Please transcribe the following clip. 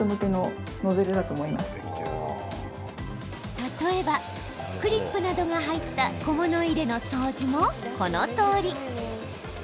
例えば、クリップなどが入った小物入れの掃除もこのとおり。